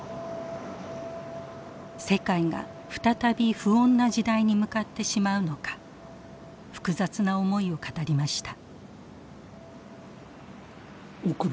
世界が再び不穏な時代に向かってしまうのか複雑な思いを語りました。